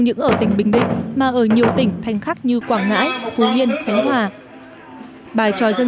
những ở tỉnh bình định mà ở nhiều tỉnh thành khác như quảng ngãi phú yên khánh hòa bài tròi dân